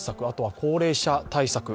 あとは高齢者対策